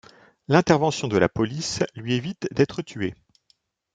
L'intervention de la police lui évite d'être tué.